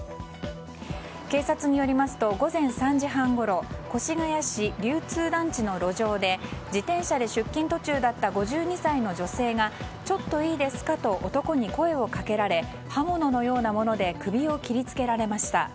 警察によりますと午前３時半ごろ越谷市流通団地の路上で自転車で出勤途中だった５２歳の女性がちょっといいですかと男に声をかけられ刃物のようなもので首を切り付けられました。